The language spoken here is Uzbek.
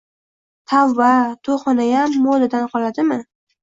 Tavba, to`yxonayam modadan qoladimi